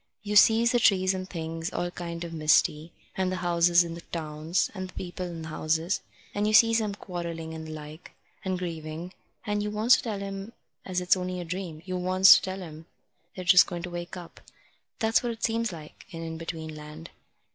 You sees the trees and things, all kind of misty, and the houses in the towns, and the people in the houses. And you sees 'em quarrelling and the like, and grieving, and you wants to tell 'em as it's only a dream. You wants to tell 'em they're just going to wake up. That's what it seems like in In between Land."